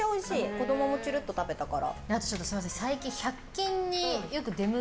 子供もちゅるっと食べたから。